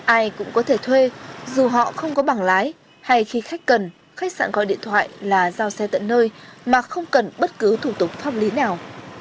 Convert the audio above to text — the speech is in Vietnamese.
ai cũng có thể thuê dù họ không có bảng lái hay khi khách cần khách sạn gọi điện thoại là giao xe tận nơi mà không cần bất cứ thủ tục pháp lý nào